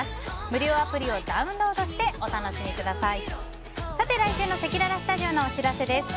無料アプリをダウンロードしてお楽しみください。